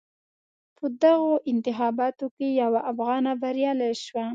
په دغو انتخاباتو کې یوه افغانه بریالی شوه.